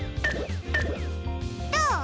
どう？